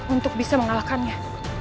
untuk bisa mengalahkannya